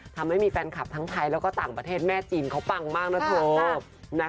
ทำให้มีแฟนคลับทั้งไทยแล้วก็ต่างประเทศแม่จีนเขาปังมากนะเธอ